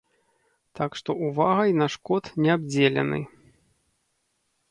Так што увагай наш кот не абдзелены.